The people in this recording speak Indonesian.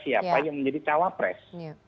siapa yang menjadi cawapres